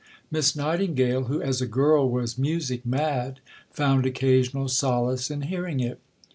Miss Nightingale, who as a girl was music mad, found occasional solace in hearing it.